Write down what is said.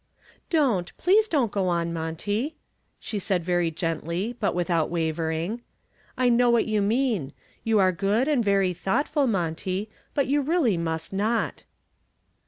"Don't please don't go on, Monty," she said very gently but without wavering. "I know what you mean. You are good and very thoughtful, Monty, but you really must not."